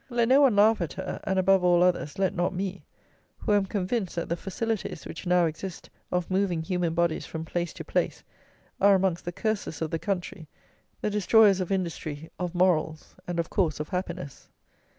Let no one laugh at her, and, above all others, let not me, who am convinced, that the facilities, which now exist, of moving human bodies from place to place, are amongst the curses of the country, the destroyers of industry, of morals, and, of course, of happiness.